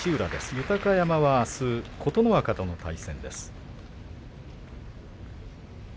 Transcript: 豊山はあすは琴ノ若との対戦です。